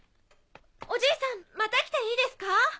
おじいさんまた来ていいですか？